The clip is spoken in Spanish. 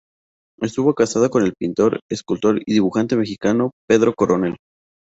Estuvo casada con el pintor, escultor y dibujante mexicano Pedro Coronel.